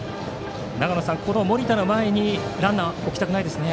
森田の前にランナーを置きたくないですね。